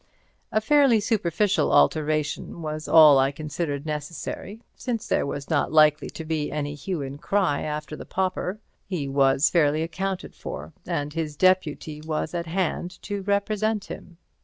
A fairly superficial alteration was all I considered necessary, since there was not likely to be any hue and cry after the pauper. He was fairly accounted for, and his deputy was at hand to represent him.